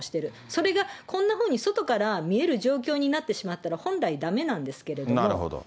それがこんなふうに外から見える状況になってしまったら本来、だめなんですけれども。